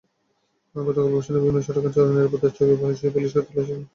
গতকাল গুলশানের বিভিন্ন সড়কে নিরাপত্তা চৌকি বসিয়ে পুলিশকে তল্লাশি চালাতে দেখা যায়।